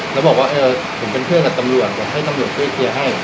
แล้วบอกว่าผมเป็นเพื่อนกับตำรวจบอกให้ตำรวจช่วยเคลียร์ให้